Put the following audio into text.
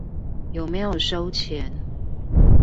有沒有收錢